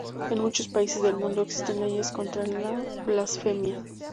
En muchos países del mundo existen leyes contra la blasfemia.